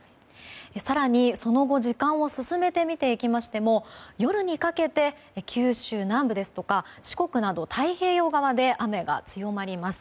更にその後、時間を進めて見ていきましても夜にかけて九州南部ですとか四国など太平洋側で雨が強まります。